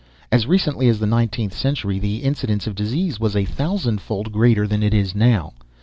As recently as the nineteenth century, the incidence of disease was a thousandfold greater than it is now.